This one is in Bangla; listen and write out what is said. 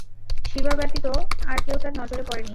সিবা ব্যতীত আর কেউ তাঁর নজরে পড়েনি।